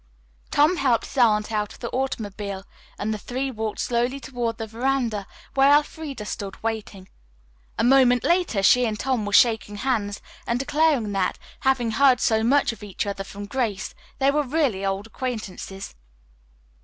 Tom helped his aunt out of the automobile and the three walked slowly toward the veranda where Elfreda stood waiting. A moment later she and Tom were shaking hands and declaring that, having heard so much of each other from Grace, they were really old acquaintances.